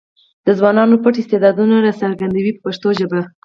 د ځوانانو پټ استعدادونه راڅرګندوي په پښتو ژبه.